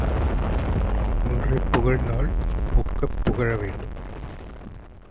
ஒன்றைப் புகழ்ந்தால் ஒக்கப் புகழ வேண்டும்.